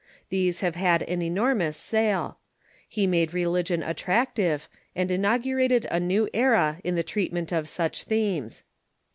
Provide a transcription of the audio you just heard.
These have had an enormous sale. He made religion attractive, and inaugu rated a new era in the treatment of sucli themes.